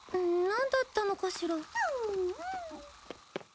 なんだったのかしら？